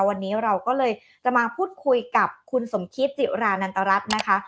วันนี้เราก็เลยจะมาพูดคุยกับคุณสมคิตจิรานันตรรัฐนะคะ